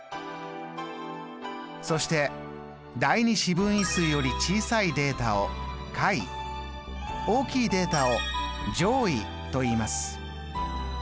そして第２四分位数より小さいデータを下位大きいデータを上位といいます。